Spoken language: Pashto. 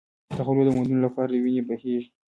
د غلو د موندلو لپاره وینې بهېږي.